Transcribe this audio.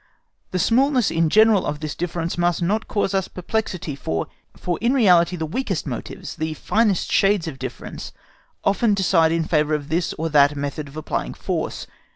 The smallness in general of this difference must not cause us perplexity, for in reality the weakest motives, the finest shades of difference, often decide in favour of this or that method of applying force.